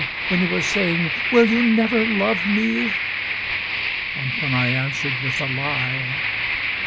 When you were saying, "Will you never love me?" And when I answered with a lie.